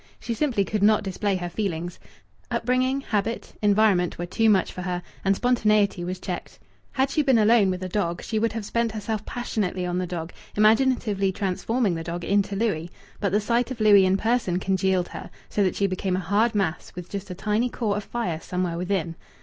She simply could not display her feelings. Upbringing, habit, environment were too much for her, and spontaneity was checked. Had she been alone with a dog she would have spent herself passionately on the dog, imaginatively transforming the dog into Louis; but the sight of Louis in person congealed her, so that she became a hard mass with just a tiny core of fire somewhere within.